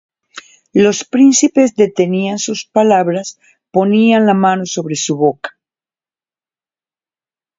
Los príncipes detenían sus palabras, Ponían la mano sobre su boca;